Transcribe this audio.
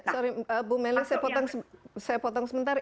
sorry bu meli saya potong sebentar